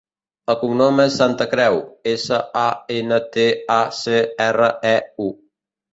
El cognom és Santacreu: essa, a, ena, te, a, ce, erra, e, u.